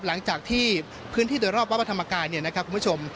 หลังจากที่พื้นที่โดยรอบวัดพระธรรมกายเนี่ยนะครับคุณผู้ชม